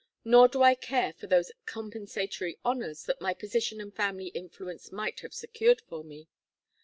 Nor do I care for those compensatory honors that my position and family influence might have secured for me.